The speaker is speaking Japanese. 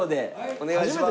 お願いします。